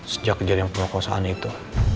sejak jaring pengokosaan itu